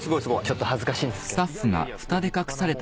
ちょっと恥ずかしいんですけど。